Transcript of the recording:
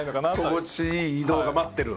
心地いい移動が待ってる？